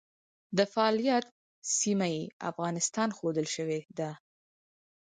د فعالیت سیمه یې افغانستان ښودل شوې ده.